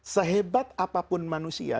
sehebat apapun manusia